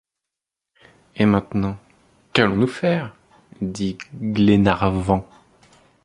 Et maintenant, qu’allons-nous faire ? dit Glenarvan.